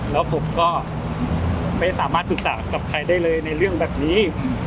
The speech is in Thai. แล้วผมก็ไม่สามารถปรึกษากับใครได้เลยในเรื่องแบบนี้